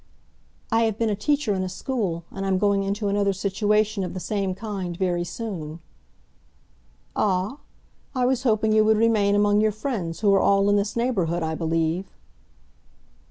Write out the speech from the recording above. "I have been a teacher in a school, and I'm going into another situation of the same kind very soon." "Ah? I was hoping you would remain among your friends, who are all in this neighbourhood, I believe."